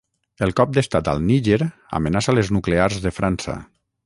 el cop d'estat al Níger amenaça les nuclears de França